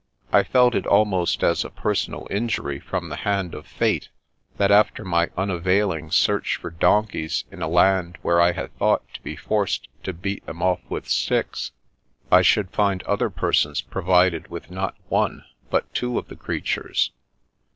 I felt it almost as a personal injury from the hand of Fate, that after my unavailing search for donkeys in a land where I had thought to be forced to beat them "THAT IS THE DEJEUNER OF NAPOLEON ". The Brat loi off with sticks, I should find other persons provided with not one but two of the creatures.